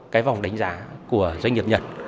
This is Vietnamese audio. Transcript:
cái vòng đánh giá của doanh nghiệp nhật